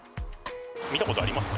見たことありますか？